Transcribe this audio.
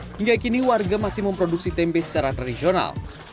hingga kini warga masih memproduksi tempe secara tradisional